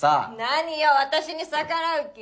何よ私に逆らう気？